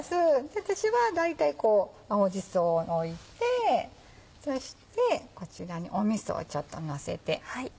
私は大体青じそを置いてそしてこちらにみそをちょっとのせて。